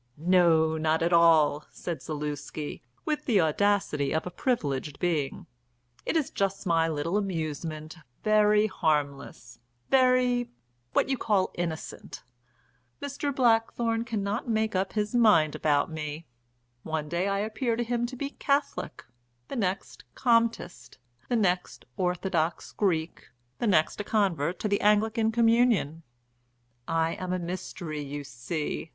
"No, not at all," said Zaluski, with the audacity of a privileged being. "It is just my little amusement, very harmless, very what you call innocent. Mr. Blackthorne cannot make up his mind about me. One day I appear to him to be Catholic, the next Comtist, the next Orthodox Greek, the next a convert to the Anglican communion. I am a mystery, you see!